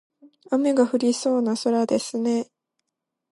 雨が降りそうな空ですね。